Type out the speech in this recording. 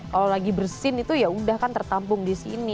kalau lagi bersin itu ya udah kan tertampung di sini